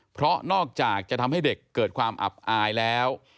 เพราะนอกจากจะทำให้เด็กเกิดความอับอายแล้ว